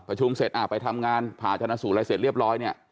ประชุมเสร็จไปทำงานผ่าชนะสู่อะไรเสร็จเรียบร้อย